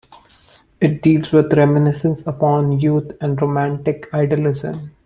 It deals with reminiscence upon youth and romantic idealism.